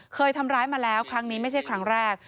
เคยทำร้ายมาแล้วครั้งนี้ไม่ใช่ครั้งแรก